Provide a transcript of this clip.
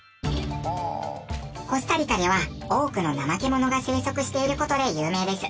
コスタリカには多くのナマケモノが生息している事で有名です。